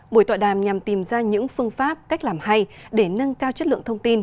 buổi tọa đàm nhằm tìm ra những phương pháp cách làm hay để nâng cao chất lượng thông tin